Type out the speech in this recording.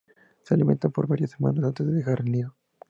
Se alimentan por varias semanas antes de dejar el nido.